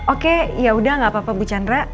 oke yaudah gak apa apa bu chandra